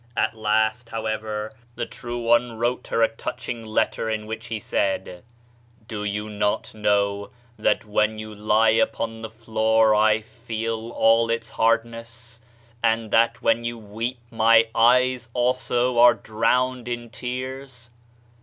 At last, however, the True One wrote her a touch ing letter in which he said: "Do you not know that when you lie upon the floor I feel all its hardness, and that when you weep my eyes also are drowned in tears?"